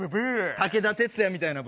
武田鉄矢みたいな豚。